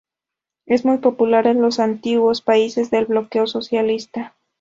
Es muy popular en los antiguos países del bloque socialista.